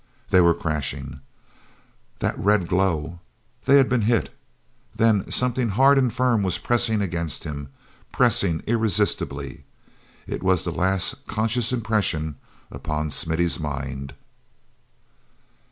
They were crashing. That red glow—they had been hit. Then something hard and firm was pressing against him, pressing irresistibly. It was the last conscious impression upon Smithy's mind.